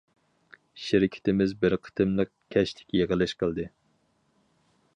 شىركىتىمىز بىر قېتىملىق كەچلىك يىغىلىش قىلدى.